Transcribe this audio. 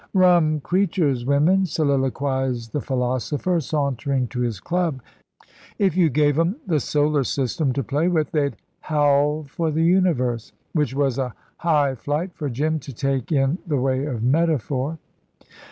"Rum creatures, women," soliloquised the philosopher, sauntering to his club. "If you gave 'em the solar system to play with they'd howl for the universe," which was a high flight for Jim to take in the way of metaphor.